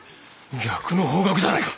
逆の方角じゃないか。